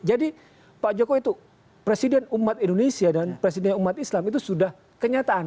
pak jokowi itu presiden umat indonesia dan presidennya umat islam itu sudah kenyataan